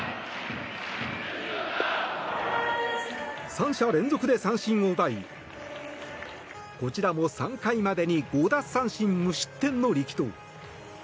３者連続で三振を奪いこちらも３回までに５奪三振、無失点の力投。